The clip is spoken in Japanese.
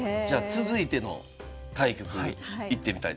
続いての対局いってみたいと思います。